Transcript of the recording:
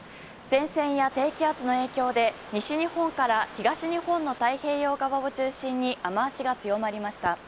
前線や低気圧の影響で西日本から東日本の太平洋側を中心に雨脚が強まりました。